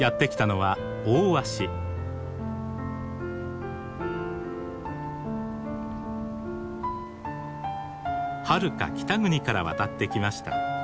はるか北国から渡ってきました。